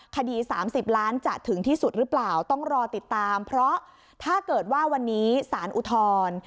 คดี๓๐ล้านจะถึงที่สุดหรือเปล่าต้องรอติดตามเพราะถ้าเกิดว่าวันนี้สารอุทธรณ์